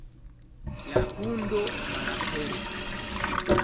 La hundo malaperis.